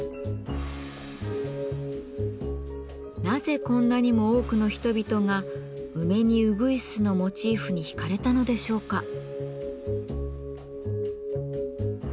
なぜこんなにも多くの人々が「梅にうぐいす」のモチーフに引かれたのでしょうか？